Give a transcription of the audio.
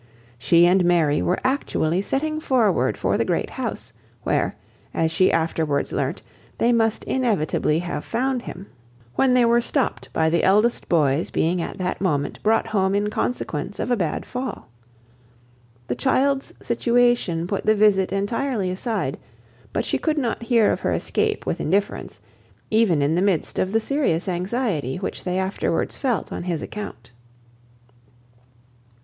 She and Mary were actually setting forward for the Great House, where, as she afterwards learnt, they must inevitably have found him, when they were stopped by the eldest boy's being at that moment brought home in consequence of a bad fall. The child's situation put the visit entirely aside; but she could not hear of her escape with indifference, even in the midst of the serious anxiety which they afterwards felt on his account.